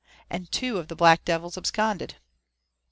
— and two of the black devils absconded."